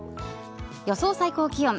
予想最高気温。